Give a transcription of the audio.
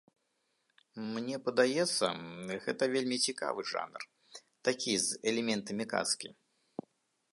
Мне падаецца, гэта вельмі цікавы жанр, такі з элементамі казкі.